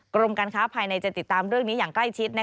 กรมการค้าภายในจะติดตามเรื่องนี้อย่างใกล้ชิด